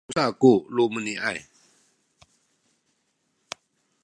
tusa ku lumeni’ay